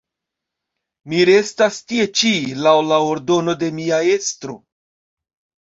Mi restas tie ĉi laŭ la ordono de mia estro.